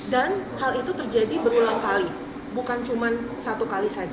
dan hal itu terjadi berulang kali